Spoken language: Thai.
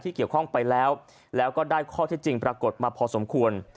เกี่ยวข้องไปแล้วแล้วก็ได้ข้อที่จริงปรากฏมาพอสมควร